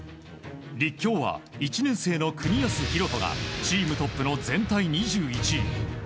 立教は１年生の國安広人がチームトップの全体２１位。